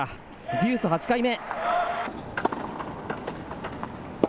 デュース８回目。